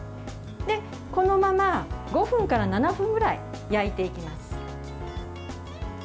このまま５分から７分ぐらい焼いていきます。